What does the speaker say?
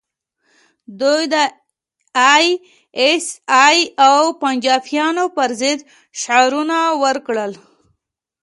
دوی د ای ایس ای او پنجابیانو پر ضد شعارونه ورکړل